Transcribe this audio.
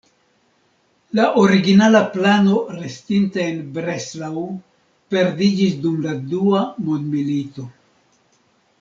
La originala plano restinta en Breslau perdiĝis dum la Dua Mondmilito.